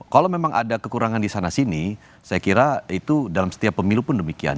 kalau memang ada kekurangan di sana sini saya kira itu dalam setiap pemilu pun demikian